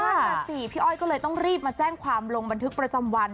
นั่นน่ะสิพี่อ้อยก็เลยต้องรีบมาแจ้งความลงบันทึกประจำวัน